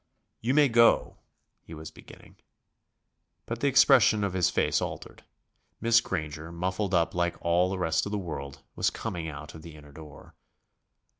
"You may go ..." he was beginning. But the expression of his face altered. Miss Granger, muffled up like all the rest of the world, was coming out of the inner door.